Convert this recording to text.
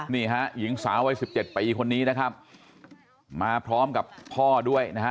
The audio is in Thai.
นี่ฮะหญิงสาววัยสิบเจ็ดปีคนนี้นะครับมาพร้อมกับพ่อด้วยนะฮะ